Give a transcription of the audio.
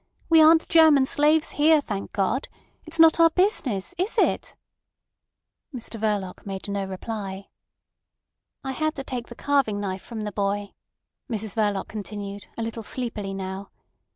We aren't German slaves here, thank God. It's not our business—is it?" Mr Verloc made no reply. "I had to take the carving knife from the boy," Mrs Verloc continued, a little sleepily now.